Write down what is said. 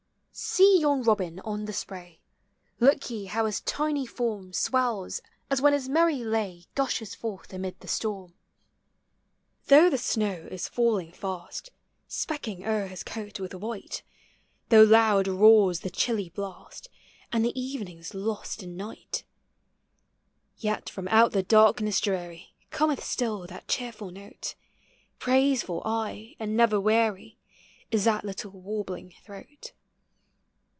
See yon robin on the spray; Look ye how his tiny form Swells, as when his merry lay Gushes forth amid the storm. Though the snow is falling fust, Specking o'er his eoat with white. — Though loud roars the chilly blast, And the evening's losl in eight, Yet from out the darkness drear j Cometh still thai cheerful ootej Praisefnl aye, and never weary, Is thai little warbling throat.